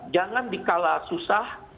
jangan dikala susah